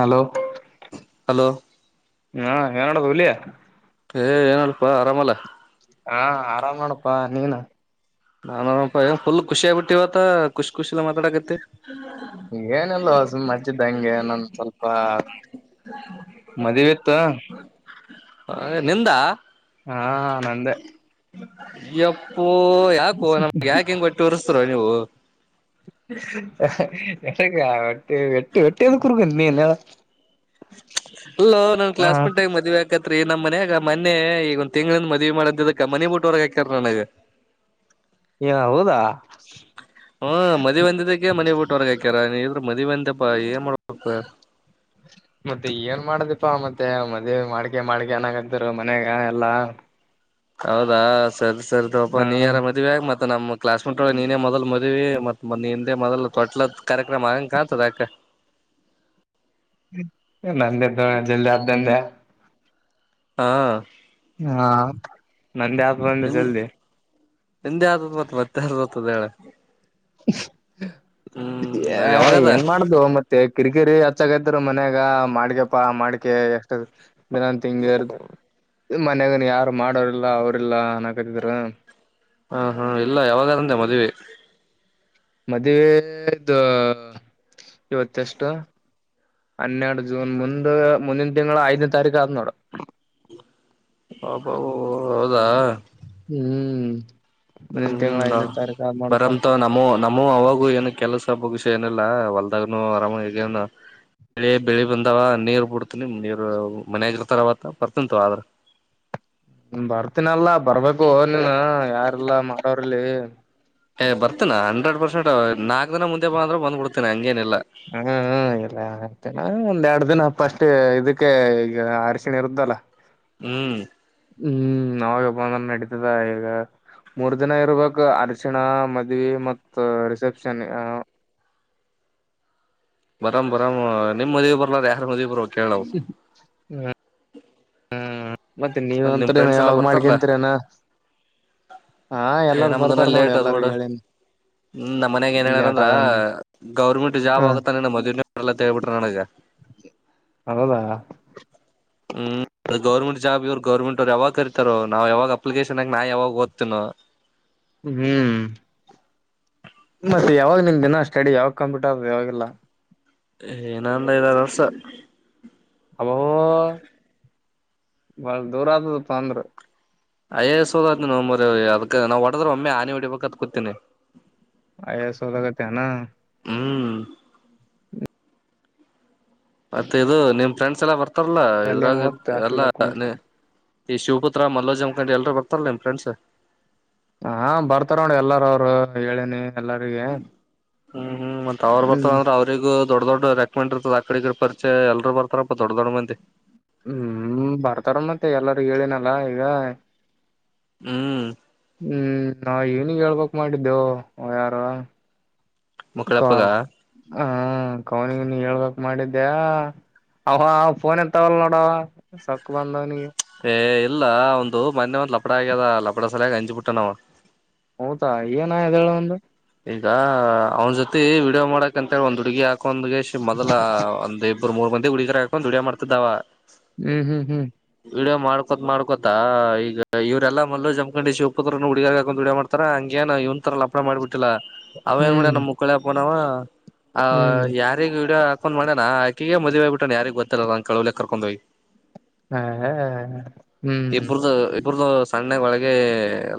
Hello hello ನೋಡ [unintelligible] ಏ ಏನಲ್ಪಾ ಆರಾಮಲ್ಲಾ ಹಾ ಆರಾಮ್ ಮಾಡಪ್ಪಾ ನೀವನ ನಾನಪ್ಪಾ ಫುಲ್ ಖಷಿ ಆಗ್ಬಟ್ಟಿವವತ ಖಷಿ ಖುಷಿ ಮಾತಾಡಾಕತ್ತತಿ ಏನಲ್ಲ ಸುಮ್ಚ್ಚಿದ್ದ ಹಂಗೆ ನೊಂದ್ ಸ್ವಲ್ಪ ಮದವೆ ಆಯ್ತಾ ಹ ನಿಂದಾ ಹಾ ನಂದ ಎಪ್ಪೋ ಯಾಕೋ ನಮಗ್ ಯಾಕ ಹೆಂಗ ಕೊಟ್ಟಿ ಉರ್ಸ್ತ ನೀವು ಎ ಒಟ್ಟೆ ವೆಟ್ಟಿ ವೆಟ್ಟಿ ಕುರ್ಕ ನೀಲ್ಲ ಅಲ್ಲೋ ನಾನ್ ಕ್ಲಾಸ್ ಮೆಂಟಗ ಮದ್ ಆಕತ್ತ ರಿ ನಮ್ಮ ಮನಯಾಗ ಮನೆೆ ಈಗ ಒಂದ್ ತಿಂಗಳಿಂದ ಮದ್ವಿ ಮಾಡದ ಮನಿ ಬಿಟ್ಟವರ್ಗ ಹಾಕತಾರ ನನಗ ಏ ಹೌದಾ ಹ್ಮ ಮದಿ ಬಂದಿದ್ದಕ್ಕೆ ಮನೆ ಊಟ್ಟವರ್ಗ ಹಾಕ್ಯಾರ ನೀ ಮದವೆಂದಪ್ಪಾ ಏ ಮಾಡಪ ಮತ್ತೆ ಏನ್ ಮಾಡದಪ್ಪಾ ಮತ್ತೆ ಮದ್ ಮಾಡಕೆ ಮಾಡಕ ಅನಾಗ ಆಗ್ತರು ಮನ್ಯಾಗ ಎಲ್ಲಾ ಹೌದಾ ಸರಿ ಸರಿದವಪಾ ಹಾ ನೀ ಯಾರ ಮದ್ವೆ ಆಗ ಮತ್ತೆ ನಮಮ್ಮ ಕ್ಲಾಸ್ಮೇಟಳ ನೀನೇ ಮೊದಲ್ ಮ್ ಮತ್ ಮೊ ಹಿಂದೆ ಮೊದಲ ತೊಟ್ಲ ಕಾರ್ಯಕ್ರಮ ಆಗಂಗ ಕಾಣತದ ಅಾಕ ನಂದ ಜಲ್ದಿ ಆದ್ದಂದೆ ಹಾ ಹಾ ನಂದೇ ಹಪ್ ಬಂದೆ ಜಲ್ದಿ ನಿದೆ ಯ್ ಮತ್ತ ಮತ್ತೆ ಬರ್ತ್ತದ ಹೇಳೆ ಆ ಯಾವಾಗದ ಏನ್ ಮಾಡ್ದ ಮತ್ತೆ ಕಿರಿಕಿರಿ ಹಚ್ಚಾಗೈತ್ರಿ ಮನ್ಯಾಗ ಮಾಡ್ಕಪ್ಪಾ ಮಾಡ್ಕೆ ಎಷ್ಟ ದಿನನ್ ತಿಂಗರ್ ಮನ್ಯಾಗನ್ ಯಾರು ಮಾಡೋರಲ್ಲಾ ಅವ್ರಲ್ಲ ನನ್ನಕತ್ತಿದ್ರ ಹಾ ಹಾ ಇಲ್ಲ ಯಾವಾಗಾರಂತೆೆ ಮದ್ವೆ ಮದ್ವೆದು ಇವತ್ತೆಷ್ಟ ಹನ್ನೆರಡು ಜೂನ್ ಮುಂದ ಮುಂದಿನ ತಿಂಗಳು ಆಐದ ತಾರೀಖು ಆನ್ನೋಡ ಅಬ್ಬಾಬೊ [unintelligible] ಹ್ಮ್ ಮುಂದಿನ ತಿಂಗಳ ಹ್ಮ ಐದನೇ ತಾರೀಕು ಆದ್ ನೋಡಪ್ಪಾ ಬರಂತ ನಮ್ಮೂ ನಮ್ಮೂ ಅವಾಗೂ ಏನು ಕೆಲಸ ಸ್ವಲ್ಬ ವಿಷ ಏನಿಲ್ಲ ಹೊಲ್ದಾಗನು ಆರಾಮ ಹಗನು ಬೆಳಿ ಬೆಳಿ ಬಂದಾವ ನೀರ್ ಬಿಡ್ತನಿ ನೀರು ಮನ ಆಾಗಿರ್ತಾರವತ್ತ ಬರ್ತಂತ ಆದ್ರ ಬರ್ತೀನಲ್ಲ ಬರ್ಬೇಕು ನೀನ್ ಯಾರಲ್ಲ ಮಾಡೋರ್ಲ್ಲಿ ಏ ಬರ್ತಿನಾ ಹಂಡ್ರೆಡ್ ಪರ್ಸೆಂಟ್ ನಾಕಕ್ ದಿನ ಮುಂದೆ ಬ ಅಂದ್ರ ಬ್ಬ ಬಿಡ್ತಿನಿ ಹಂಗೇನಿಲ್ಲಲ್ಲ ಹಾ ಹ ಎಲ್ಲತೇನಾ ಒಂದೆರಡು ದಿನ ಪಸ್ಟ್ ಇದಕ್ಕೆ ಈಗ ಅರಶಿಣೆ ಇರುದಲ್ಲ ಹ್ಮ್ ನಾವಾಗ ಬಂದ ನಡೀತದ ಈಗ ಮೂರ್ ದಿನ ಇರ್ಬೇಕಕ್ ಅರ್ಶಣ ಮದ್ವಿ ಮ ರಿಸೆಪ್ಷನ್ ಬರಾಮ್ ಬರಾಮ್ ನಿಮ್ ಮದುವೆ ಬರ್ಲಾರ ಯಾರ ಮದುವ ಬರ್ ಹ್ಮ ಮತ್ತೆ ನೀವ ಮತ್ ನಿಮ್ ಅಂತ್ರನ ಫ್ರೆಂಡ್ಸ್ ಎಲ್ಲಾ ಯಾವ್ ಬರ್ತಾರಲ್ಲಾ ಮಾಡ್ಕಂತೀರನಾ ಹಾ ಏ ಎಲ್ಲಾರು ನಮ್ದನ ಬರ್ತಾರ ನೋಡಿ ಲೇಟ್ ಅದ್ ಎಲ್ಲಾರ ಬಿಡು ಹೇಳನಿ ಹ್ಮ್ ನಮ್ಮ್ನ್ಯಾಗ ಏನ್ ಹೇಳಾರಂದ್ರ ಗೌರ್ಮೆಂಟ್ ಹ ಜಾಬ್ ಆಗತ್ತಾನೆ ಮದುವೇಳ್ಬಿಟ್ಟ ಹೌದಾ ಹ್ಮ್ ಅದು ಗೌರ್ಮೆಂ ಜಾ ಇವ್ರು ಗರ್ಮೆಂಟ್ ಅವರು ಯಾವಾಗ ಕರತಾರ ನಾವಾಗ ಅಪ್ಲಿಕೇಶನ್ ಆಕ ನಾ ಯಾವಾಗ ಓದ್ತನೋ ಹ ಹ್ಮ್.. ಮತ್ತೆ ಯಾವಾಗ ನಿಮ ದಿನ ಸ್ಟಡಿ ಯಾವಾಗ ಕಂಪ್ಲೀಟ್ ಯಾವಾಗಲ್ಲ ಏನಂದ ಐದಾರು ವರ್ಷ ಅಬೋ ಬಳ ದೂರ ಆದದ ತಂದ್ರ ಅಯ್ಯ ಸೋದತರಿ ಅದ್ ನಾವು ಹೊಡದ್ರ ಒಮ್ಮೆ ಆನೆಿ ಹೊಡಿಬೇಕತ್ ಕೂತೀಿನಿ ಆಯ ಸೌದಾಗತಾನ ಹ್ಮ್ ಮತ್ತೆ ಇದು ನಿಮ್ ಫ್ರೆಂಡ್ಸ್ ಎಲ್ಲ ಬರ್ತಾರಲ್ಲ ಅಲ್ಲೇನ್ ಇದ್ರಾಗ ಓದ್ತೆ ಎಲ್ಲ ಹಾಸ್ಟೆಲ್ದಾಗ ಕುಂತ ಈ ಶಿವಪುತ್ರ ಮಲ್ಲೋಜ್ ಮುಖಂಡಿ ಎಲ್ರೂ ಬಕ್ತಾರ ನಿಮ ಫ್ರೆಂಡ್ಸ್ ಹಾ ಬರ್ತಾರ ನೋ ಎಲ್ಲಾರ ಅವರು ಹೇಳೇನಿ ಎಲ್ಲರಿಗೆ ಹ್ಮ್ ಹ್ಮ್ ಮತ್ತತ್ ಅವ್ ಹ್ಮ್ ಬರ್ತದ ಅಂದ್ರೆ ಅವ್ರಗ ದೊಡ್ಡ ದೊಡ್ಡ ರೆಕಮೆಂಡ್ ಇರ್ತದ ಆಕಡೆ ಈಡೆರ್ ಮೆ ಎಲ್ರು ಬರ್ತಾರಪ್ಪಾ ದೊಡ್ಡ ದೊಡ್ಡ ಮಂದಿ ಹ್ಮ್ ಬರ್ತಾರ ಮತ್ತೆ ಎಲ್ಲಾರ ಹೇಳನಲ್ಲ ಈಗ ಹ್ಮ್ ಹ್ಮ್ ನಾವ ಏನಿಗೆ ಹೇಳ್ಬೇಕಕ್ ಮಾಡಿದ್ದೆ ಯಾರ ಮಕ್ಕಳಪ್ಪಗ ಹಾ ಕೌನಿಗ ನೀ ಹೇಳ್ಬೇಕಕ್ ಮಾಡಿದ್ದ್ಯಾ ಅಹಫೋನ್ ಎಂತ ಒಲ್ಲ ನೋಡಾವ ಸಕ್ಕು ಬಂದಾವನಿಗೆ ಏ ಇಲ್ಲ ಒಂದು ಮೊನ್ನೆ ಒಂದ್ ಲಪಡ ಆಗ್ಯದ ಲಪಡ ಸಲಯಾಗಿ ಹಂಜಿಬಿಟ್ಟ ನಾವ ಹೌದಾ ಏನ ಎಳ ಒಂದು ಈಗ ಅವ್ನ ಜೊತಿ ವಿಡಿಯೋ ಮಾಡಕ್ಂತೇಳಿ ಒಂದ್ ಹುಡ್ಗಿ ಹಾಕೊಂದ್ಗೆ ಮೊದಲ ಒಂದ ಒರ್ ಮೂ ಮಂದಿ ಹುಗರ ಹಕೊಂಡುದುಡಿಯ ಮಾಡ್ತಿದ್ದ ಹ್ಮ್ ಹ್ಮ್ ಹ್ಮ್ ವಿಡಿಯೋ ಮಾಡ್ಕೊತ್ ಮಾಡ್ಕೊತ ಈಗ ಇವ್ರಲ್ಲ ಮಲ್ಲ ಜಮಖಂಡಿ ಶಿವಪತ್ರ ಹುಗ ಹಾಕೊಂಡ್ ವಡೋ ಮಾಡ್ತಾರ ಹಂಗೆ ಇವಂರಲ್ಲ ಅವನ್ ಕಡ ಹ್ಮ್ ನ ಮುಕ್ಕಳೆಯಾ ಪೋನಾವ ಆ ಹ್ಮ್ ಯಾರಿಗೆ ವಿಡಿಯೋ ಹಾಕೊಂಡ್ ಮಾಡಣನಾ ಆಕಿಗೆಗ ಮದ್ೆ ಆಗ್ಬ ಬಿಟ್ಟಾನನ್ ಯಾರಿಗ್ ಗೊತ್ತಿಲ್ಲಲ್ಲ ನ ಕಳವಿಲಿ ಕರ್ಕೊಂಡ್ ಹೋಗಿ ಹಾ ಹ್ಮ್ ಸಣ್ಣಕ್ ಒಳಗೆ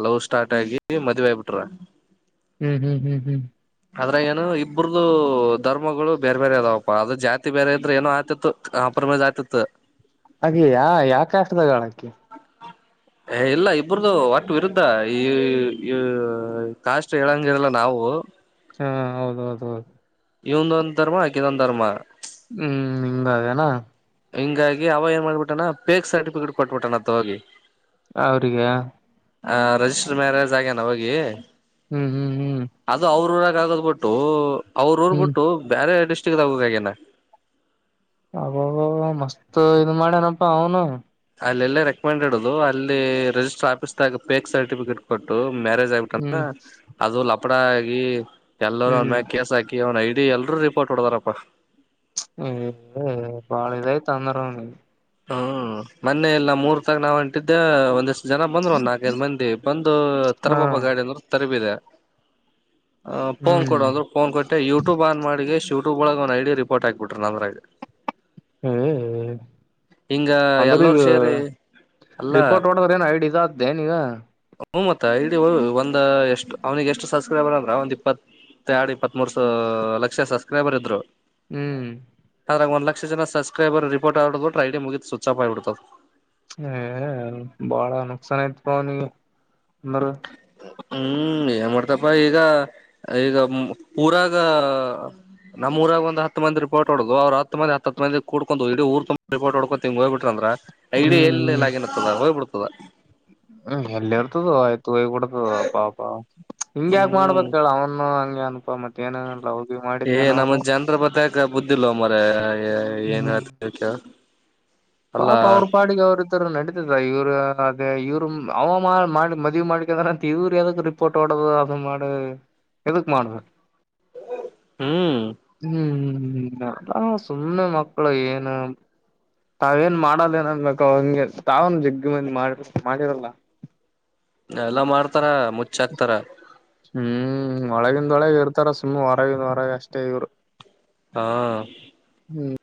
ಲವ್ ಸ್ಟಾರ್ಟ್ ಆಗಿ ಮದ್ವೆೆಯಬಿಟ್ರ ಹ್ಮ್ ಹ್ಮ್ ಹ್ಮ್ ಹ್ಮ್ ಆದದ್ರೆ ಏನು ಇಬ್ಬರದು ಧರ್ಮಗಳು ಬೇರೆ ಬೇರೆ ಅದಾವಪ್ಪ ಅದ ಜಾತಿ ಬೇರೆ ಇದ್ರೆ ಏನೋ ಆತಿತ್ತು. ಅ ಪ್ರಮೇದಾತ್ತ್. ಅದೆ ಯಾ ಯಾವ ಕಷ್ಟದಾಗಳಕಿ. ಇಲ್ಲ ಇಬರದು ಒಟ್ ವಿರುದ್ಧ ಈ ಕಾಷ್ಟ ಹೇಳಂಗರಲ್ಲ ನಾವು. ಹಾ ಹೌದ ಹೌದು ಹೌದು. ಇವಂದ ಒಂದು ಧರ್ಮ ಆಕ ಇದೊಂದು ಧರ್ಮ. ಹ್ಮ್ ನಿಂಗಾವನಾ. ಹಿಂಗಾಗಿ ಅವ ಏನ್ ಮಾಡ್ಬಿಟಾನ ಪೇಕ್ ಸರ್ಟಿಫಿಕೇಟ್ ಕೊಟ್ಬಿಟ್ಟಣತ್ತ ಹೋಗಿ. ಅವ್ರಿಗೆ. ಹ ರರಿಜಿಸ್ಟರ್ ಮ್ಯಾರೇಜ್ ಆಗೇನ ಹೋಗಿ. ಹ್ಮ್ ಹ್ಮ್ ಹ್ಮ್. ಅದು ಅವ್ರ ಊರಾಗ ಆಗದ್ ಬಿಟ್ಟು ಅವ್ರ ಹ್ಮ್ ಊರ್ಬಿಟ್ಟು ಬೇರೆ ಡಿಸ್ಟ್ರಿಕ್ದ ಆಗಬೇಕನ. ಅಬ ಮಸ್ತ ಇದ ಮಾಡ್ಯನಪ್ಪಾ ಅವನು. ಅಲ್ಲೆಲ್ಲೇ ರೆಕಮೆಂಡ ಇಡ್ದು ಅಲ್ಲಿ ರರಿಜಿಸ್ಟರ್ ಆಫೀಸ್ದಾಗ ಪೇಕ್ ಸರ್ಟಿಫಿಕೇಟ್ ಕೊಟ್ಟು. ಮ್ಯಾರೇಜ್ ಆಗಬಿಟ್ಟಂದ್ರ ಹ್ಮ್ ಅದು ಲಪಡ ಆಗಿ ಎಲ್ಲರೂ ಅಂದ ಹ್ಮ್ ಮ್ಯ ಕೇಸ್ ಹಾಕಿ. ಅವನ್ ಐಡಿ ಎಲ್ರರು ರಿಪೋರ್ಟ್ ಹೊಡದಾರಪ್ಪಾ. ಏ ಬಾಳ ಇದಯ್ತ ಅಂದ್ರ ಅವನಿಗೆ ಹ್ಮ ಮೊನ್ನೆ ಎಲ್ಲ ಮೂರ್ ತಾಗ ನಾವ್ ಅಂಟಿದ್ದೆ ಒಂದಷ್ಟ. ಜನ ಬಂದ್ರು ಒಂದು ನಾಲ್ಕೈಐ ಮಂದಿ ಬಂದು ಹ ತರಬಾಬ ಗಾಡಿ ಅಂದರು ತರಬಿದೆ. ಆ ಫೋನ್ ಕೊಡ ಹ್ಮ್ ಅಂದ್ರು ಫೋನ್ ಕೊಟ್ಟೆ ಯೂಟ್ಯೂಬ್ ಆನ್ ಮಾಡಿ ಶೂ. ಒಳ ಒ ಐಡಿ ಪರ್ಟ್ ಹಾಕ್ಬಿಟ್ರಿ ನ ಅಂದ್ರೆ. ಹ್ಮ್ ಹ್ಮ. ಅಂದ್ರ ಎಲ್ಲರೂ ಈಗ ಸೇರಿ ಅಲ್ಲ ರಿಪೋರ್ಟ್ ಹೊಡದ್ರ ಏನ್ ಐಡಿ ಇದ್ದೇನೀಗ. ಹ್ಮ್ ಮತ್ತ ಇಲ್ಲಿ ಒಂದ್ ಎಷ್ಟು ಅವ್ನಿಗೆ ಎಷ್ಟು ಸಬ್ಸ್ಕ್ರೈಬರ್ ಅಂದ್ರ ಒಂದ್ ಇಪ್ಪತ್ತು. ಮೆಡಿ ಪತರು ಲಕ್ಷ ಸಬ್ಸ್ಕ್ರೈಬರ್ ಇದ್ರು. ಹ್ಮ್. ಒಂದ ಲಕ್ಷ ಜ ಸಬ್ಕ್ರೈಬರ್ ರಿೋರ್ಟ್ ಆಡ ಬಿ್ರ ಡಿ ಮುಗಿದ್ ಸ್ವಿಚ್ ಆಫ್ ಆಗಿಬಡ್ತದೆ. ಬಾಳ ನುಕ್ಸನ್ ಆಯ್ತ್ ಅವನ ಅಂದ್ರ. ಹ್ಮ್ ಏನ್ ಮಾಡ್ತಪ ಈಗ ಈಗ ಪೂರಾಗ. ನಮ್ಮ ಊರಾಗ ಒಂದ ಹಂದ ರಿಪೋಟ್ ಹೊಡೋದು ಅವ್ ಹ ಮಂದ ಹಂದ ಕುಕು ಇಡೀ ಊ ತು ಪೋರ್ಟ್ಡ್ಕೊಂಡುಂಗ ಹೋಗ್ ಬಿಟ್ರ ಐಡಿ ಯ ಹ್ಮ್ ಹ್ಮ್ ಎಲ್ಲಲ್ಲಾಗಿನತ್ತದ ಹೋಗ್ಬಿಡ್ತದ. ಹ್ಮ್ ಎಲ್ಲಿ ಇರ್ತದ ಆಯ್ತು ಹೋಗ ಕುಡ್ತದ ಅಪ್ಪಾಪಾ ಹಿಂಗ ಯಾಕ ಹ್ಮ್ ಮಾಡ್ಬೇಕ ಹೇಳ ಅವನು ಹ. ಅನುಪ ಮತ್ತೆೇನ. ಏ ನಮ್ಮ ಜನನ್ರ ಬತಕ ಬುದ್ದಿಲ್ವ ಮರ ಏನ್ ಹ್ಮ್ ಹತ. ಪಾಪ ಅವರಪಾಡಿ ಕ ಅವರುತರ ನಡಿ. ಇವ್ ಅದ ಇವ್ ಅವ ಮಾಡ ಮದುವವಿ ಮಾಡ್ಲಿಂದ್ರ ಅಂತ ಇವ್ರು ಯಾವ್ದ ರಿಪೋರ್ಟ್ ಡೋ ಅ. ಮಾಡ ಎಕ್ ಮಾಡುವ ಹ್ಮ್ ಹ್ಮ. ಹ್ಮ್ ಸುಮ್ಮನೆ ಮಕ್ಕಳು ಏನು. ತಾವೇನ್ ಮಾಡಲ್ಲೇನನ್ಬೇಕ ಹಂಗೆ ತಾವನ್ ಜಿಗ್ಗಿ ಮಂದಿ ಮಾಡಿ ಮಾಡಿರಲ್ಲ. ಎಲ್ಲಾ ಮಾಡ್ತಾರ ಮುಚ್ಚಾಕ್ತಾರ. ಹ್ಮ್ ಒಳಗಿಂದೊಳಗ ಇರ್ತಾರ ಸುಮ್ಮ್ನೆ ಹೊರಗಿಂದ ಹೊರಗೆ ಅಷ್ಟೇ ಇವ್ರು. ಹಾ. ಹ್ಮ್.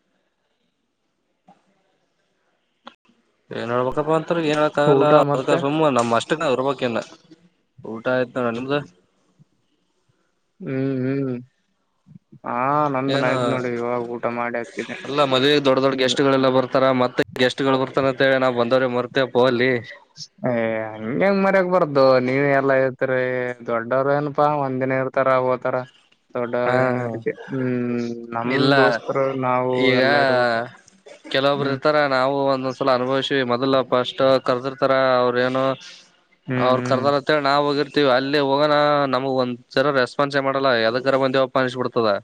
ಏನ್ ಹೇಳ್ಬೇಕಪ್ಪಾ ಅಂತ ಏನ್ ಹೇಳಕ್ ಆಗಲ್ಲ ಊಟ ಅದ ಮತ್ತೆ ಸುಮ್ಮ್ ನಮ್ಮ್ ಅಷ್ಟೇ ಅರ್ಬಕನ್ನ. ಊಟಾಯತನ ಹ್ಮ್ ಹ್ಮ್. ಹಾ ನಂದನ್ ಏನ ಆಯ್ತ್ ನೋಡಿ ಇವಾಗ ಊಟ ಮಾಡಿ ಹಾಕಿದ್ದೆ ಎಲ್ಲ ಮದುವೆಗೆ ದೊಡ್ಡ ದೊಡ್ಡ ಹ್ಮ್ ಗೆಸ್ಟ್ಗಳೆಲ್ಲ ಬರ್ತಾರ ಮತ್ತೆ. ಗೆಸ್ಟ್ಗಳು ಬರ್ತಾನ ಅಂತ ಹೇಳಿ ನಾವು ಬಂದವ್ರೆ ಮರ್ತೇಪ ಅಲ್ಲಿ. ಏ ಹಂಗೆಂಗ ಮರ್ಯಾಗ ಬಾರದುು ನೀವ ಎಲ್ಲ. ಅತ್ ದೊಡ್ಡವ್ರ ಏನಪಾ ಒಂದಿನ ಇರ್ತಾರ ಹೋತಾರ. ಹಾ ದೊಡ್ಡವ್ರಕ್ಕೆ ಹ್ಮ್ ನಮ ಇಲ್ಲ ದೋಸ್ತರು ನಾವು ಈಗ ಎಲ್ಲಾ ಇರ್ಬೇಕು. ಕೆಲವೊಬ್ರು ಹ್ಮ್ ಇರ್ತಾರ ನಾವು ಒಂದೊಂದ್ಸಲ ಅನುಭವಿಸಿೀ ಮೊದ್ ಫಸ್ಟ್ ಕರ್ದಿರ್ತಾರ ಅವ್ರ ಏನು ಹ್ಮ್ ಅವ್ರು ಹ್ಮ್ ಕರ್ದಾರಂತೇಳಿ ನಾವವು ಹೋಗಿರ್ತಿ ಅಲ್ಲಿ ಹೋಗೋಣ ನಮಗ ಒಂದ್ರ ರೆಸ್ಪಾನ್ಸ್ ಏ ಮಾಡೋಲ್ಲ ಯದ ಇರ ಮಂದಿ ಒಪ್ಪ ಅನಿಸಿು ಕೊಡ್ತದಾ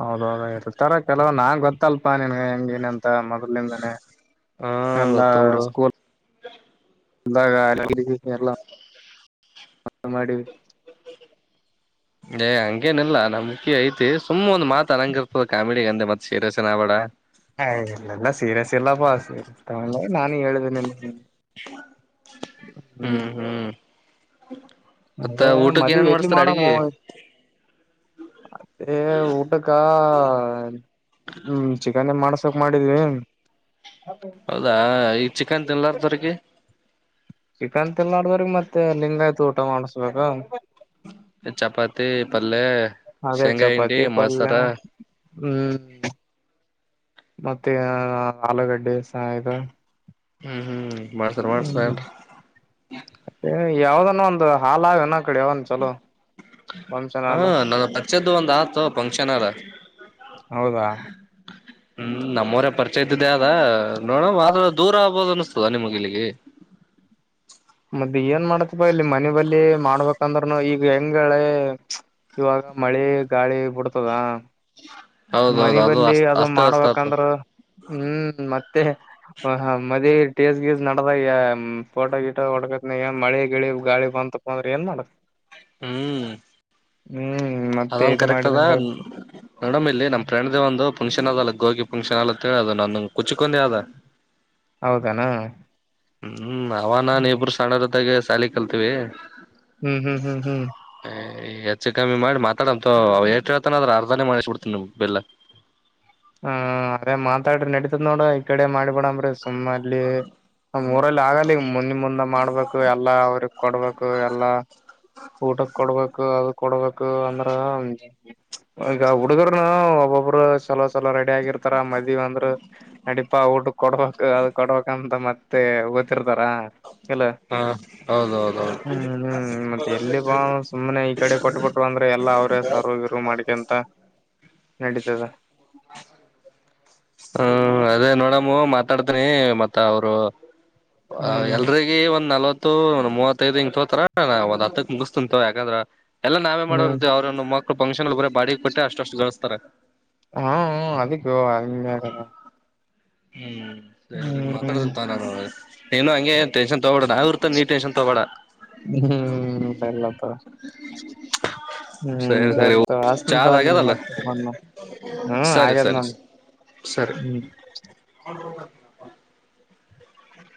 ಹೌದೌದ ಇರ್ತರ ಕೆಲವ ನಾ ಗೊತ್ತಲ್ಪಾ ನಿನ್ಗೆ ಹೆಂಗನ ಅಂತ ಮೊದ್ಲಿಂದನೇ ಹಾ ಎಲ್ಲ ಗೊತ್ತು ಬಿಡು ಸ್ಕೂಲ್ ಎಲ್ಲ ಕಾಲ ಕೇರಳ ಮಳ ಮಾಡಡಿ ಏ್ ಹಂಗೇನಲ್ಲಾ ನಮ್ಕಿ ಐತಿ ಸುಮ್ ಒಂದ್ ಮಾತ ಅನಂಗ ಇರ್ತದ ಕಾಮಿಡಿಿಗೆ ಅಂದೆ ಮತ್ತತ್ ಸೀರಿಯಸ್ಸೇನ ಆಬೇಡ ಹ ಇಲ್ಲ ಎಲ್ಲ ಸೀರಿಯಸ್ ಇಲ್ಲಪ್ಪಾ ಸೀರಿಯಸ್ ತೊಗೋಲಾ ನಾನೇ ಹೇಳ್ದನೆ ನಿ ಹೂ ಹ್ಮ್ ಹ್ಮ್ ಮತ್ತ ಊಟಕ್ಕೆ ಏನೇನ್ ಮಾಡಸ್ತಾರ ಅಡಗಿ ತ್ತ ಊಟಕ್ಕ ಹೂ ಚಿಕ್ ಈ ಮಾಡಸಕ್ ಮಾಡಿದ್ವಿ ಹೌದಾ ಈ ಚಿಕನ್ ತಿನ್ಲಾರದ್ರರಿಗೆ ಚಿಕನ್ ತಿನ್ಲರ್ಡೆಗೆ ಮತ್ತೆ ಲಿಂಗಾಯತ್ ಊಟ ಮಾಡಸ್ಬೇಕ ಮತ್ತಿ ಪಲ್ಲೆ ಶೆಂಗಾಯಂಡಿ ಮೊಸರ ಹೂ ಮತ್ತೆ ಆಲೂಗಡ್ಡೆಯ್ತ ಹೂ ಹೂ ಮಾಡ್ಸಾರ ಮಾಡ್ಸರಂ ಯಾವ್ದನ್ನ ಒಂದು ಹಾಲ್ನ ಕಡೆ ಯಾವ ಚಲೋ ಫಂಕ್ಷನ್ ಹಾ ಹಾಲ್ ನನ್ನ ಪಚ್ಚದ್ದು ಒಂದ್ ಆತ ಫಂಕ್ಷನ್ ಆದ ಹೌದಾ ಹೂ ನಮ್ಮ್ವರ ಪರಿಚಯ ಇದ್ದಿದ್ದೇ ಅದ ನೋಡ ಆ ದೂರ ಆಗ್ಬೋದ ಅನಸ್ತದ ನಿಮಗಲ್ಲಿಗೆ ಹ ಮದ ಏನ್ ಮಾಡತಿಪ್ಪ ಇಲ್ಲಿ ಮನ ಬಲಿ ಮಾಡ್ಬೇಕಂದ್ರ್ನು ಈಗ ಹೆಂಗಳೆ ಇವಾಗ ಮಳೆ ಗಾಳಿ ಬಿುಡ್ತದ ಮನ ಹೌದೌದು ಬಲ್ಲಿ ಅಸ್ತ ಅದು ಅಸ್ತ ಅಸ್ತ ಆತು ಮಾಡ್ಬೇಕಂದ್ರ ಹೂ ಮತ್ತೆ ಮದುವಿ ೇಜ್ ಗೀಜ್ ನಡದ ೋ ಗಿಟ ಹೊಡಕತ್ ಮಳೆ ಗಿಳಿ ಗಾಳಿ ಬಂದಪ್ಪ ಅಂದ್ರ ಏನ್ ಮಾಡಡತ್ ಹೂ ಮತ್ತೆ ಅದೊಂದು ಇದು ಕರೆಕ್ಟ್ ಅದ ಮಾಡಿದಂಗ ನೋಡಂ ನ ಇಲ್ಲಿ ನಮ್ಫ್ರೆಂಡ್ದ ಒಂದು ಫುಂಕ್ಷನ್ ಅದಲ್ಲ ಗೋಗಿ ಪಫಂಕ್ಷನ್ ಅಲ್ಲಂತ ಹೇಳಿ ಅದು ನಾನ ಕುಚ್ಕೊಂಡೆ ಅದ ಹೌದನಾ ಹೂ ಅವ ನಾನ ಇಬ್ರು ಸಣರದಾಗೆ ಸಾಲಿ ಕಲ್ತೀವಿ ಹೂ ಹೂ ಹೂ ಹೂ ಹೆಚ್ಚು ಕಮ್ಮಿ ಮಾಡಿ ಮಾತಾಡಂತ ಅವ ಷ್ಟ ಹೇಳ್ತಾನದ್ರ ಅರ್ಧಾನೇ ಮಾಡಿಸಬಿಡ್ತನ್ಮ ಬಿಲ್ ಹ ಅದೇ ಮಾತಾಡ್ರಿ ನಡತದ್ ನೋಡ ಈ ಕಡೆ ಮಾಡಿಬೊಡಂಬ್ರಿ ಸುಮ್ಮ ಅಲ್ಲಿ ನಾಮ್ ಊರಲ್ಲಿ ಆಗಲ್ಲ ಮುಂದಿ ಮುಂದೆ ಮಾಡ್ಬೇಕು ಎಲ್ಲಾ ಅವ್ರ ಕೊಡ್ಬೇಕು ಎಲ್ಲಾ ಊಟಕ್ ಕೊಡ್ಬೇಕು ಅದ ಕೊಡ್ಬೇಕು ಅಂದ್ರ ಈಗ ಹುಡುಗರುನು ಒಬ್ಬೊಬ್ರು ಚಲೋ ಚಲೋ ರೆಡಿ ಆಗಿರ್ತಾರ ಮದ್ ವ ಅಂದ್ರರು ನಡೀಪಾ ಊಟ ಕೊಡ್ಬೇಕಕ್ ಅದ ಕೊಡ್ಬೇಕಂತ ಮತ್ತೆ ಗಓತ್ತರ್ತಾರ ಕೆಲ್ಲ ಹಾ ಹೌದೌದೌದು ಹೂ ಹೂ ಮತ್ತೆ ಎಲ್ಲಿ ಬಾ ಸುಮ್ಮನೆ ಈ ಕಡೆ ಕೊಟ್ಟಬಟ್ ಅಂದ್ರ ಎಲ್ಲಾ ಅವ್ರೇ ಸಾರ್ ಗರು ಮಾಡ್ಿಕ ಅಂತ ನಡೀತದೆ ಹೂ ಅದೇ ನೋಡಮ್ಮ ಮಾತಾಡ್ತನಿ ಮತ್ತ ಅವರು ಹ್ಮ್ ಎಲ್ರಿಗ ಒಂದ್ ನಲ್ವತ್ತು ಒ್ ಮೂವತ್ತೈದ ಹಿಂ ತೋತಾರ ನ ಒಂದ್ ಹತ್ತಕ್ ಮುಗಿಸಸ್ತಂತ ಯಾಕಂದ್ರ ಎಲ್ಲ ನಾವೇ ಹ್ಮ್ ಮಾಡೋರ್ವಿ ಅವ್ರ ಒ ಮಕ್ಳ ಫಂಕ್ಷನ್ ಅಲ್ ಬರ ಬಾಡಿಗೆ ಕೊಟ್ಟೆ ಅಷ್ಟಷ್ಟು ಗಳಿಸಸ್ತಾರೆ ಹೂ ಹ ಅದಕ್ಕ ಅ ಹೂ ಮಾತಾಡಂತ ನೀನು ಹಂಗೆ ಟೆನ್ಷನ್ ತೊಗೋ ನಾವ್ ಇರ್ತ ನೀ ಟೆನ್ಷನ್ ತೊಗೋಳಬೇಡ ಹ್ಮ್ ಎಲ್ಲಕ್ಕ ಸರಿ ಸರಿ ಹೂಸರಿ ತಗೋ ಅಚ್ಚನಿ ಚಾದ ತಗೋ ನಿಂಗೆ ಆಗ್ಯದಲ್ಲ ಮತ್ತೆ ಹೂ ಸರಿ ಹಾಗಾದ ಸರಿ ನ್ ಹೂ ಹೂ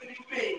ಉಡುಪಿ